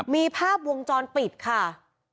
มีภาพวงจรปิดค่ะ